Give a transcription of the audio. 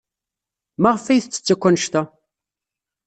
Maɣef ay tettess akk anect-a?